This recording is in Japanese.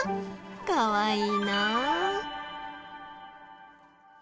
かわいいな。